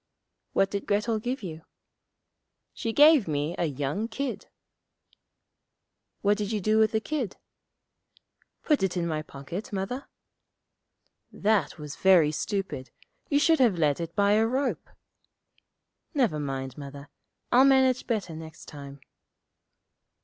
'What did Grettel give you?' 'She gave me a young kid.' 'What did you do with the kid?' 'Put it in my pocket, Mother.' 'That was very stupid. You should have led it by a rope.' 'Never mind, Mother; I'll manage better next time.'